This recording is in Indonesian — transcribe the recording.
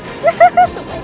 supaya tidak berbohong lagi